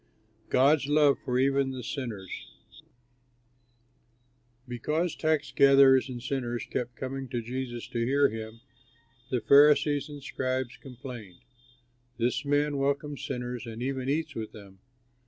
'" GOD'S LOVE EVEN FOR SINNERS Because tax gathers and sinners kept coming to Jesus to hear him, the Pharisees and scribes complained, "This man welcomes sinners and even eats with them!"